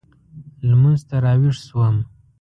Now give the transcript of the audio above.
لمونځ ته راوېښ شوم.